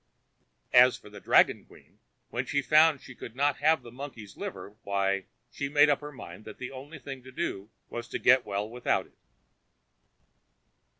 As for the dragon queen, when she found she could not have the monkey's liver, why, she made up her mind that the I only thing to do was to get well without it.